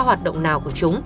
hoạt động nào của chúng